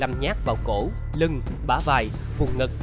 nam đem tiếp một mươi năm nhát vào cổ lưng bả vài phùng ngực